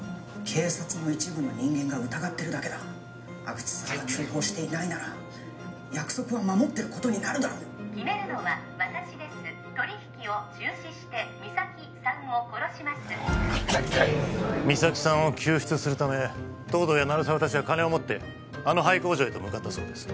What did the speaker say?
警察の一部の人間が疑ってるだけだ阿久津さんが通報していないなら約束は守ってることになるだろ決めるのは私です取引を中止して実咲さんを殺します実咲さんを救出するため東堂や鳴沢達は金を持ってあの廃工場へと向かったそうです